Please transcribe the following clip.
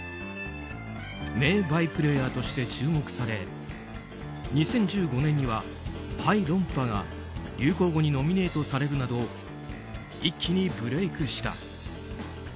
名バイプレーヤーとして注目され２０１５年には「はい、論破」が流行語にノミネートされるなど一気にブレークした。